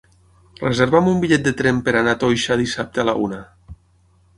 Reserva'm un bitllet de tren per anar a Toixa dissabte a la una.